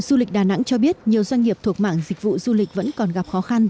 sở du lịch đà nẵng cho biết nhiều doanh nghiệp thuộc mạng dịch vụ du lịch vẫn còn gặp khó khăn